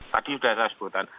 tadi sudah saya sebutkan